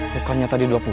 bukannya tadi dua pulang